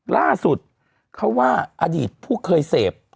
ล่าสุดเขาว่าอดีตผู้เคยเสพ